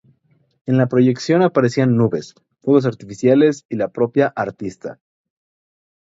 En la proyección aparecían nubes, fuegos artificiales y la propia artista.